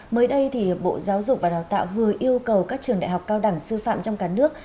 mới đây thì bộ giáo dục và đào tạo vừa yêu cầu các trường đại học cao đẳng sư phạm trong cả nước